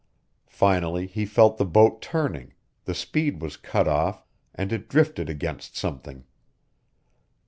Finally, he felt the boat turning, the speed was cut off, and it drifted against something.